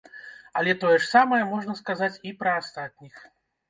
Але тое ж самае можна сказаць і пра астатніх.